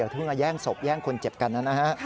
เพิ่งมาแย่งศพแย่งคนเจ็บกันนะฮะ